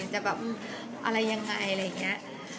จะอะไรยังไง